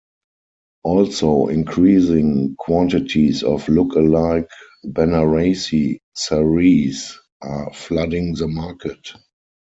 Also, increasing quantities of look-alike Banarasi sarees are flooding the market.